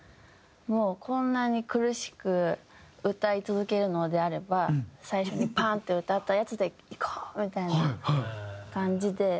もうこんなに苦しく歌い続けるのであれば最初にパンッて歌ったやつでいこうみたいな感じで。